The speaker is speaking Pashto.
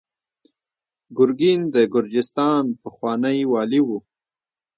ګورګین د ګرجستان پخوانی والي و.